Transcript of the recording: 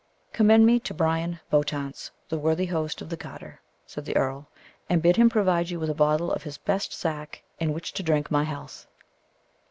"Commend me to Bryan Bowntance, the worthy host of the Garter," said the earl; "and bid him provide you with a bottle of his best sack in which to drink my health."